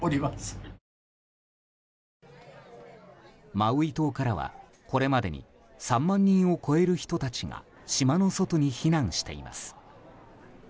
マウイ島からは、これまでに３万人を超える人たちが島の外に避難しています。